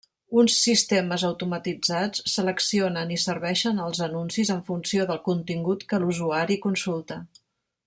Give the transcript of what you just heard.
Uns sistemes automatitzats seleccionen i serveixen els anuncis en funció del contingut que l'usuari consulta.